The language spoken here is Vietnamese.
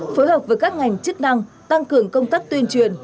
phối hợp với các ngành chức năng tăng cường công tác tuyên truyền